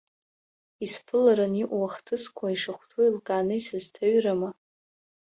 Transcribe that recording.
Исԥыларан иҟоу ахҭысқәа ишахәҭоу еилкааны исызҭаҩрыма?